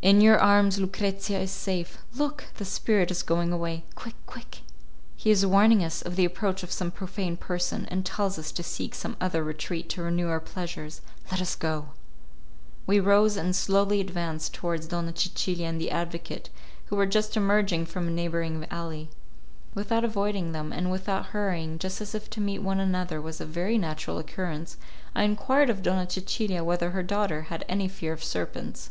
In your arms Lucrezia is safe. Look! the spirit is going away. Quick, quick! He is warning us of the approach of some profane person, and tells us to seek some other retreat to renew our pleasures. Let us go." We rose and slowly advanced towards Donna Cecilia and the advocate, who were just emerging from a neighbouring alley. Without avoiding them, and without hurrying, just as if to meet one another was a very natural occurrence, I enquired of Donna Cecilia whether her daughter had any fear of serpents.